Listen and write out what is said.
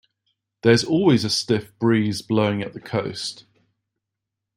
There's always a stiff breeze blowing at the coast.